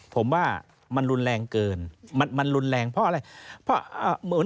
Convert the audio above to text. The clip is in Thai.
ผมว่ามันรุนแรงเกินเพราะอะไร